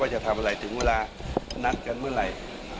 จะทำอะไรถึงเวลานัดกันเมื่อไหร่